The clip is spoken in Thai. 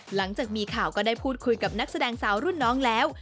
หลังจากมีข่าวก็ได้พูดคุยกับนักแสดงสาวรุ่นน้องแล้ว